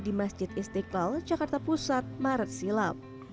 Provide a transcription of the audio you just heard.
di masjid istiqlal jakarta pusat maret silam